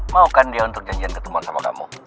mau kan dia untuk janjian ketemuan sama kamu